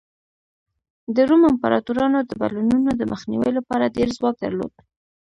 د روم امپراتورانو د بدلونونو د مخنیوي لپاره ډېر ځواک درلود